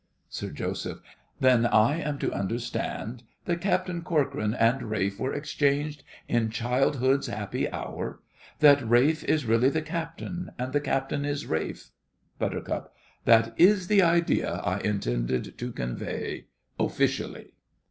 SIR JOSEPH. Then I am to understand that Captain Corcoran and Ralph were exchanged in childhood's happy hour—that Ralph is really the Captain, and the Captain is Ralph? BUT. That is the idea I intended to convey, officially!